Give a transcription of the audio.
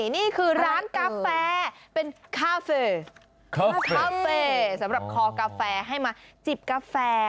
นี่คือร้านกาแฟเป็นสำหรับคอกาแฟให้มาจิบกาแฟ